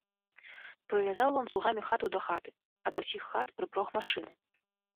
Прывязаў ланцугамі хату да хаты, а да ўсіх хат прыпрог машыну.